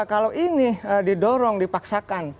kalau ini didorong dipaksakan